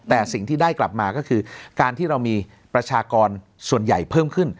แต่สิ่งที่ได้กลับมาก็คือการที่เรามีประชากรส่วนใหญ่เพิ่มขึ้น